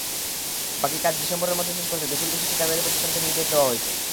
বাকি কাজ ডিসেম্বরের মধ্যে শেষ করতে দেশি-বিদেশি ঠিকাদারি প্রতিষ্ঠানকে নির্দেশ দেওয়া হয়েছে।